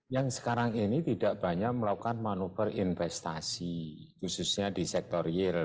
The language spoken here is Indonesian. yang sekarang ini tidak banyak melakukan manuver investasi khususnya di sektor real